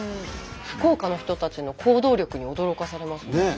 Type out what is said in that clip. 福岡の人たちの行動力に驚かされますね。